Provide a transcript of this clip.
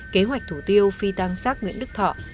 kế hoạch thủ tiêu phi tam sát nguyễn đức thọ